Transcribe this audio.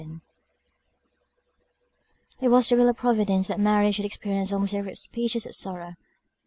VII. It was the will of Providence that Mary should experience almost every species of sorrow.